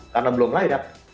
karena belum layak